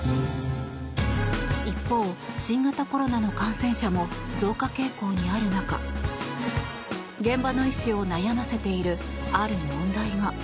一方、新型コロナの感染者も増加傾向にある中現場の医師を悩ませているある問題が。